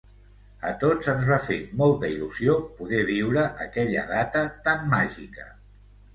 A tots ens va fer molta il·lusió poder viure aquella data tan màgica.